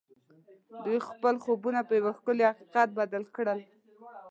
دوی خپل خوبونه پر یو ښکلي حقیقت بدل کړل